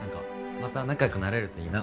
また仲良くなれるといいな。